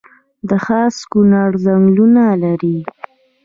د خاص کونړ ځنګلونه لري